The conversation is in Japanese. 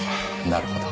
なるほど。